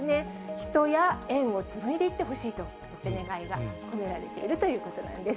人や縁をつむいでいってほしいという願いが込められているということなんです。